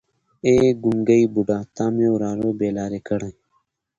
ای ګونګی بوډا تا مې وراره بې لارې کړی.